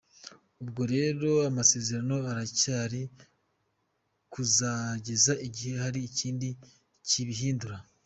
Ubwo rero amasezerano aracyahari kuzageza igihe hari ikindi cyabihindura.